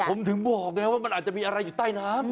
ผมถึงบอกไงว่ามันอาจจะมีอะไรอยู่ใต้น้ำ